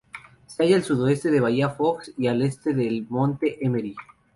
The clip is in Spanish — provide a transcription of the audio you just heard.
Se halla al sudoeste de Bahía Fox y al este del Monte Emery.